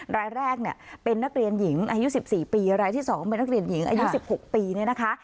รายแรกเนี่ยเป็นนักเรียนหญิงอายุ๑๔ปีรายที่๒เป็นนักเรียนหญิงอายุ๑๖ปีเนี่ยนะคะ